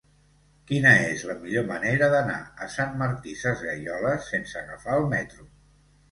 Quina és la millor manera d'anar a Sant Martí Sesgueioles sense agafar el metro?